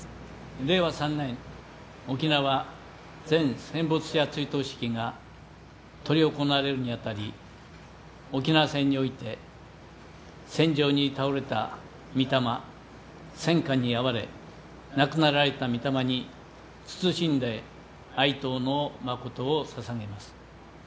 令和３年沖縄全戦没者追悼式が執り行われるにあたり沖縄戦において戦場に倒れた御霊戦禍にあわれ亡くなられた御霊に謹んで哀悼の誠をささげます。